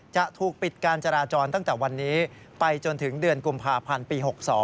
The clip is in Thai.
จะถูกปิดการจราจรตั้งแต่วันนี้ไปจนถึงเดือนกุมภาพันธ์ปี๖๒